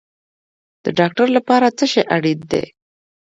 د ډاکټر لپاره څه شی اړین دی؟